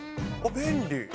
便利。